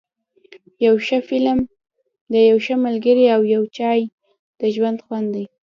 یو ښه فلم، یو ښه ملګری او یو چای ، د ژوند خوند دی.